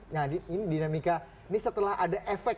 nah ini dinamika ini setelah ada efek